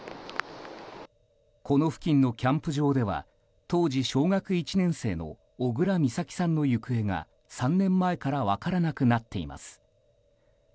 この付近のキャンプ場では当時小学１年生の小倉美咲さんの行方が３年前から分からなくなっています。